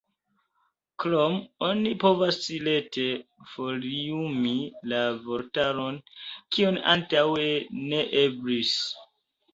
Krome oni povas rete foliumi la vortaron, kio antaŭe ne eblis.